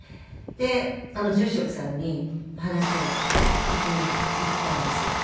で住職さんに話を聞きに行ったんです。